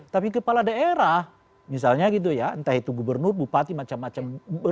tapi kepala daerah misalnya gitu ya entah itu gubernur bupati macam macam